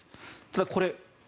ただこれ